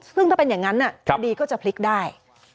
ซึ่งถ้าเป็นอย่างนั้นคดีก็จะพลิกได้